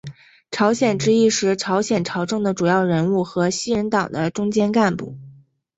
朝鲜之役时朝鲜朝政的主要人物和西人党的中坚干部。